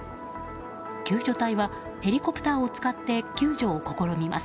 救助隊はヘリコプターを使って救助を試みます。